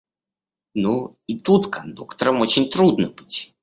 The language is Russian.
Ну, и тут кондуктором очень трудно быть!